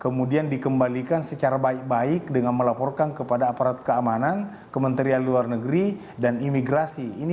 kemudian dikembalikan secara baik baik dengan melaporkan kepada aparat keamanan kementerian luar negeri dan imigrasi